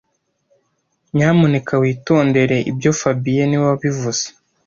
Nyamuneka witondere ibyo fabien niwe wabivuze